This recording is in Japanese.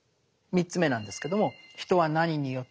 ３つ目なんですけども「人は何によって生きるのか？」